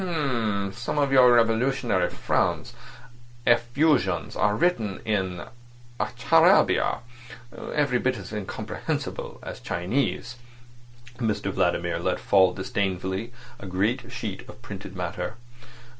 "H'm. Some of your revolutionary friends' effusions are written in a charabia every bit as incomprehensible as Chinese—" Mr Vladimir let fall disdainfully a grey sheet of printed matter.